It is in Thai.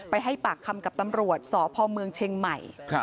ให้ปากคำกับตำรวจสพเมืองเชียงใหม่